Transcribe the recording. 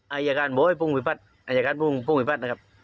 อายการโบ๊ยพรุ่งวิพัฒน์อายการพรุ่งพรุ่งวิพัฒน์นะครับ